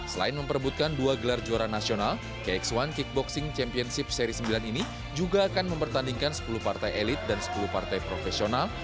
selain memperbutkan dua gelar juara nasional kx satu kickboxing championship seri sembilan ini juga akan mempertandingkan sepuluh partai elit dan sepuluh partai profesional